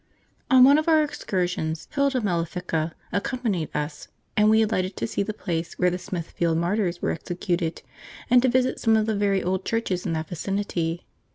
On one of our excursions Hilda Mellifica accompanied us, and we alighted to see the place where the Smithfield martyrs were executed, and to visit some of the very old churches in that vicinity.